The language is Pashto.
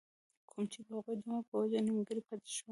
کوم چې َد هغوي د مرګ پۀ وجه نيمګري پاتې شو